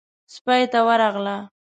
سپۍ ته ورغله.